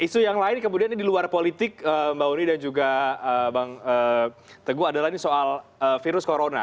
isu yang lain kemudian ini di luar politik mbak uni dan juga bang teguh adalah ini soal virus corona